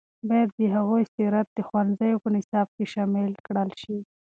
باید د هغوی سیرت د ښوونځیو په نصاب کې شامل کړل شي.